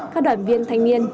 các đoàn viên thanh niên